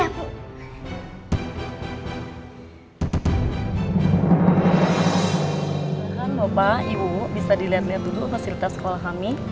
silahkan bapak ibu bisa dilihat lihat dulu fasilitas sekolah kami